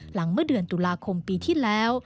เมื่อเดือนตุลาคมปีที่แล้ว